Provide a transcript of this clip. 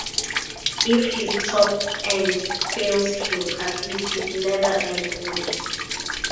If his top end fails him, at least his nether end won't.